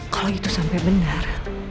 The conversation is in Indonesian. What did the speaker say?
kalau itu sampai benar